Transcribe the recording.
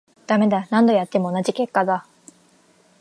ダメだ、何度やっても同じ結果だ